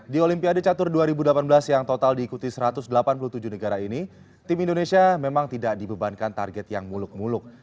di olimpiade catur dua ribu delapan belas yang total diikuti satu ratus delapan puluh tujuh negara ini tim indonesia memang tidak dibebankan target yang muluk muluk